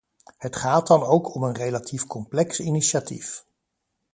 Het gaat dan ook om een relatief complex initiatief.